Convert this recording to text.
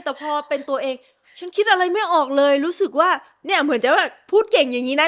แต่พอเป็นตัวเองฉันคิดอะไรไม่ออกเลยรู้สึกว่าเนี่ยเหมือนจะแบบพูดเก่งอย่างนี้นะ